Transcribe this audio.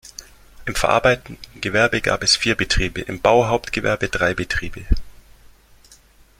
Im verarbeitenden Gewerbe gab es vier Betriebe, im Bauhauptgewerbe drei Betriebe.